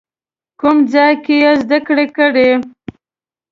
کوم ځای کې یې زده کړې کړي؟